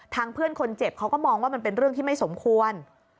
เพื่อนคนเจ็บเขาก็มองว่ามันเป็นเรื่องที่ไม่สมควร